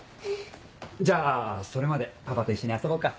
じゃあそれまでパパと一緒に遊ぼうか。